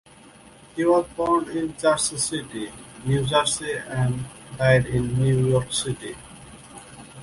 He was born in Jersey City, New Jersey and died in New York City.